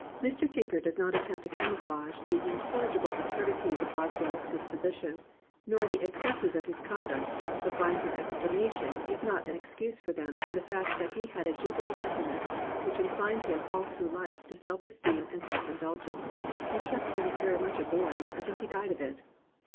309 COMPANIONABLE BOOKS Mr. Tinker does not attempt to camouflage the incorrigible absurdities of Boswell*s disposition, nor the excesses of his conduct, but finds an explana tion if not an excuse for them in the fact that he had a juvenile temperament which inclined him all through Kfe to self esteem and self indulgence, and kept him "very much a boy until he died of it.